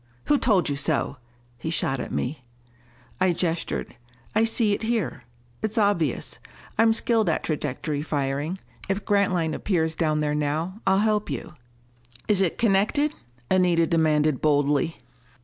"Who told you so?" he shot at me. I gestured. "I see it here. It's obvious: I'm skilled at trajectory firing. If Grantline appears down there now, I'll help you." "Is it connected?" Anita demanded boldly.